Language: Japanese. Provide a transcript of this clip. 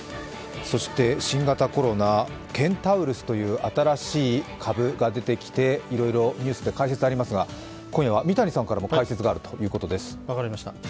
そして新型コロナ、ケンタウロスという新しい株が出てきて、いろいろニュースで解説がありますが、今夜は、三谷さんからも解説があるということです。